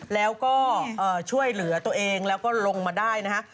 แล้วก็ช่วยเหลือตัวเองแล้วก็ลงมาได้นะฮะ